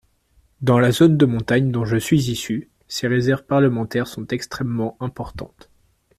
Dans la zone de montagne dont je suis issu, ces réserves parlementaires sont extrêmement importantes.